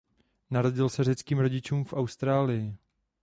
Narodil se řeckým rodičům v Austrálii.